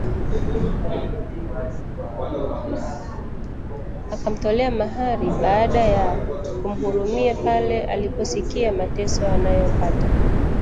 Akamtolea mahari baada ya kumuhurumia pale aliposikia mateso anayoyapata